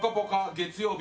月曜日